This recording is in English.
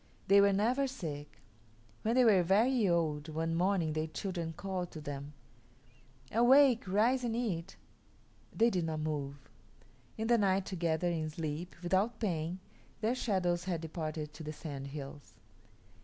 They were never sick. When they were very old, one morning their children called to them, "Awake, rise and eat." They did not move. In the night, together, in sleep, without pain, their shadows had departed to the Sandhills.